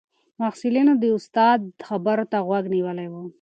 محصلینو د استاد خبرو ته غوږ نیولی و.